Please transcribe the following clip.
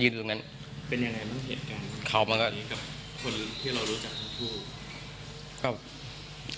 เป็นอย่างไรมั้งเหตุการณ์ของพี่กับคนที่เรารู้จักทั้งคู่